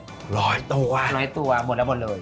วันละ๑๐๐ตัวหรออ๋อวันละ๑๐๐ตัวหมดละหมดเลย